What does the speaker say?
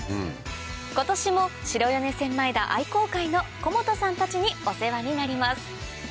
今年も白米千枚田愛耕会の小本さんたちにお世話になります